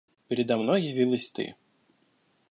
Передо мной явилась ты